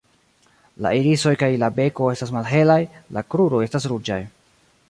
La irisoj kaj la beko estas malhelaj; la kruroj estas ruĝaj.